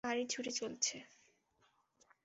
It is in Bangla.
গাড়ি ছুটে চলেছে।